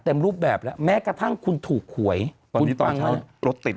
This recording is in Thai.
รูปแบบแล้วแม้กระทั่งคุณถูกหวยตอนนี้ตอนเช้ารถติด